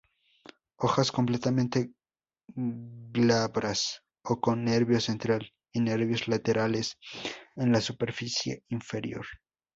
Hojas completamente glabras o con nervio central y nervios laterales en la superficie inferior.